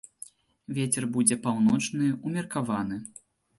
Вецер будзе паўночны, умеркаваны.